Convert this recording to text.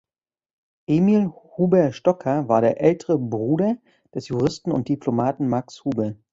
Emil Huber-Stockar war der ältere Bruder des Juristen und Diplomaten Max Huber.